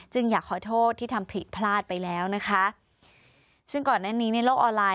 อยากขอโทษที่ทำผิดพลาดไปแล้วนะคะซึ่งก่อนหน้านี้ในโลกออนไลน